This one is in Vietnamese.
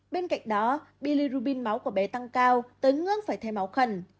bên cạnh đó billerubin máu của bé tăng cao tới ngưỡng phải thay máu khẩn